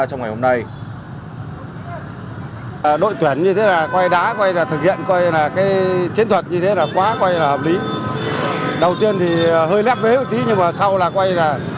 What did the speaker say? trong ngày hôm nay